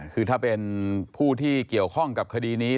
คือถ้าเป็นผู้ที่เกี่ยวข้องกับคดีนี้